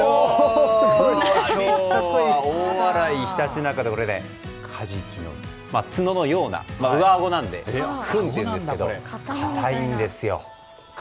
大洗、ひたちなかのカジキの角のようなあごなのでふんというんですが硬いんですよ。